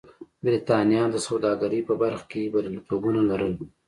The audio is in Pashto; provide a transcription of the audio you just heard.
برېټانیا د سوداګرۍ په برخه کې بریالیتوبونه لرل.